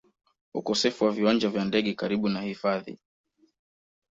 ukosefu wa viwanja vya ndege karibu na hifadhi